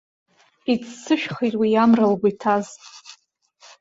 Иццышәхеит уи амра лгәы иҭаз!